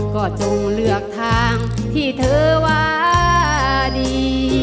ก็จงเลือกทางที่เธอว่าดี